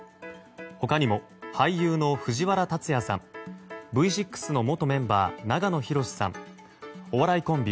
他にも俳優の藤原竜也さんＶ６の元メンバー、長野博さんお笑いコンビ